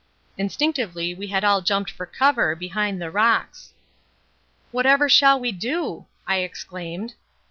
Instinctively we had all jumped for cover, behind the rocks. "Whatever shall we do?" I exclaimed.